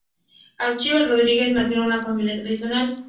Achával Rodríguez nació en una familia tradicional.